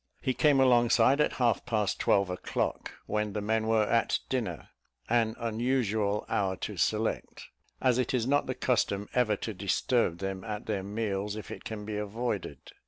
He came alongside at half past twelve o'clock, when the men were at dinner, an unusual hour to select, as it is not the custom ever to disturb them at their meals if it can be avoided.